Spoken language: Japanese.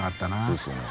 そうですよね。